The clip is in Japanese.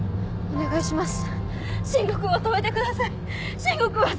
お願いします！